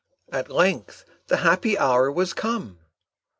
At length the happy hour was come.